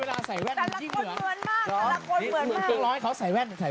อ้าวแต่ละคนเหมือนมาก